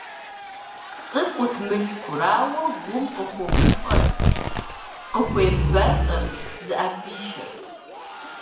ЦӀыкӀут Мылъкур, ауэ Гум къыхуэгуфӀэрт, къехуэбылӀэрт, зыӀэпишэрт.